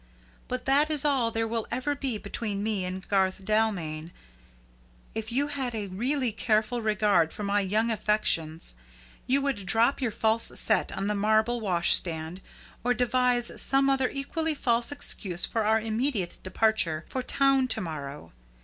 But that is all there will ever be between me and Garth Dalmain; and if you had a really careful regard for my young affections you would drop your false set on the marble wash stand, or devise some other equally false excuse for our immediate departure for town to morrow.